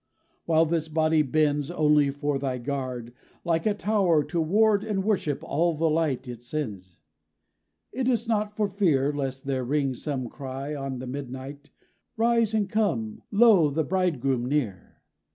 While this body bends Only for thy guard; Like a tower, to ward and worship all the light it sends. It is not for fear Lest there ring some cry On the midnight, 'Rise and come. Lo, the Bridegroom near!'